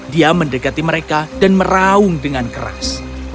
dia mendekati mereka dan meraung dengan keras